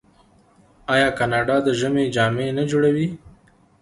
آیا کاناډا د ژمي جامې نه جوړوي؟